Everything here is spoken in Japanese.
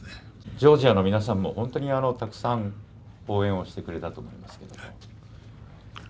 ジョージアの皆さんも本当に、たくさん応援してくれたと思います。